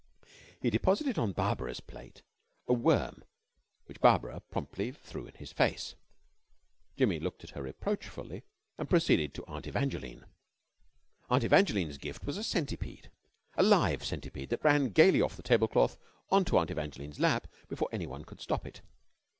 He deposited on Barbara's plate a worm which Barbara promptly threw at his face. Jimmy looked at her reproachfully and proceeded to Aunt Evangeline. Aunt Evangeline's gift was a centipede a live centipede that ran gaily off the tablecloth on to Aunt Evangeline's lap before anyone could stop it.